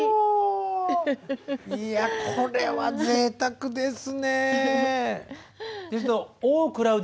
いやこれはぜいたくですね。